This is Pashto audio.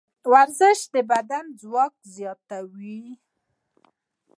ورزش د بدن ځواک زیاتوي.